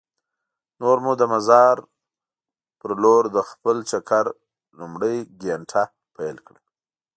نور مو د مزار په لور د خپل چکر لومړۍ ګېنټه پیل کړه.